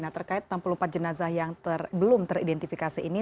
nah terkait enam puluh empat jenazah yang belum teridentifikasi ini